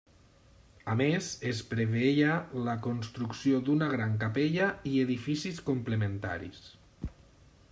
A més, es preveia la construcció d'una gran capella i edificis complementaris.